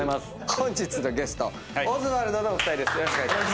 本日のゲストオズワルドのお二人です。